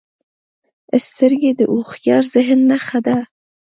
سترګې د هوښیار ذهن نښه ده